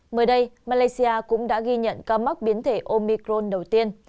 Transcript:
mới đây malaysia cũng đã ghi nhận ca mắc biến thể omicron đầu tiên